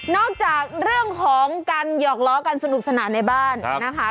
จากเรื่องของการหยอกล้อกันสนุกสนานในบ้านนะคะ